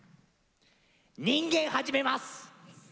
人間始めます！